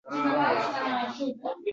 Vaqt ham namozidigarga og‘ib bormoqda